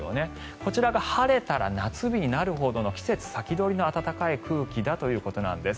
こちらが晴れたら夏日になるほどの季節先取りの暖かい空気だということなんです。